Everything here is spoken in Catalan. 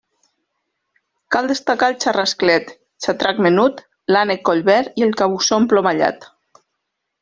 Cal destacar el xarrasclet, xatrac menut, l'Ànec collverd i el cabussó emplomallat.